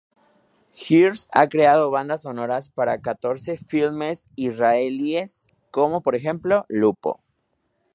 Hirsh ha creado bandas sonoras para catorce filmes israelíes, como por ejemplo "Lupo!